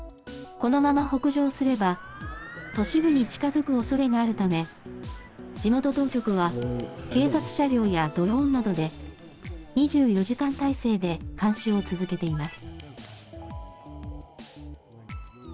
このまま北上すれば、都市部に近づくおそれがあるため、地元当局は、警察車両やドローンなどで、２４時間態勢で監視を続けています。